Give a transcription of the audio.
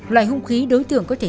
loại hung khí đối tượng có thể